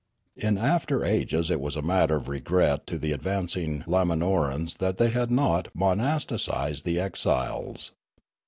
" In after ages it was a matter of regret to the ad vancing Limanorans that they had not monasticised the exiles.